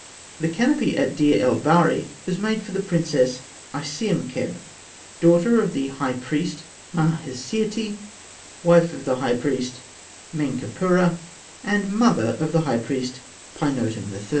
] The canopy of Deir el Baharî was made for the Princess Isiemkheb, daughter of the High Priest Masahirti, wife of the High Priest Menkheperra, and mother of the High Priest Pinotem III.